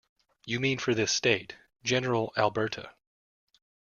You mean for this State, General, Alberta.